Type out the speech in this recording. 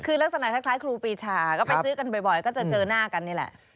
คือลักษณะคล้ายครูปีชาก็ไปซื้อกันบ่อยก็จะเจอหน้ากันนี่แหละ